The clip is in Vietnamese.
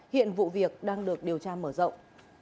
hiện vụ việc đang được điều tra mở rộng